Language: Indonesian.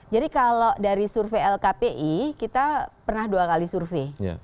jadi kalau dari survei lkpi kita pernah dua kali survei